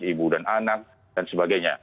ibu dan anak dan sebagainya